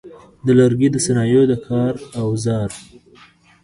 د لرګي د صنایعو د کار اوزار: